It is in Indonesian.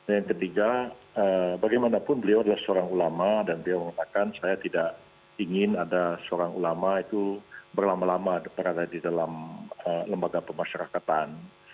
yang ketiga bagaimanapun beliau adalah seorang ulama dan beliau mengatakan saya tidak ingin ada seorang ulama itu berlama lama berada di dalam lembaga pemasyarakatan